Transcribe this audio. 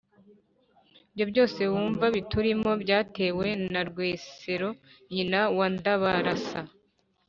«ibyo byose wumva biturimo byatewe na rwesero nyina wa ndabarasa,